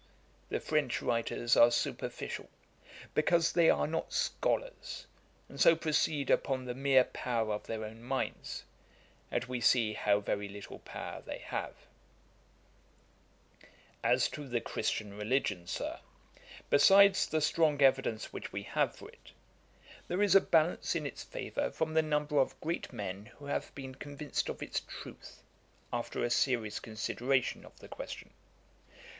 The French writers are superficial; because they are not scholars, and so proceed upon the mere power of their own minds; and we see how very little power they have.' [Page 455: The University of Salamancha. Ætat 54.] 'As to the Christian religion, Sir, besides the strong evidence which we have for it, there is a balance in its favour from the number of great men who have been convinced of its truth, after a serious consideration of the question.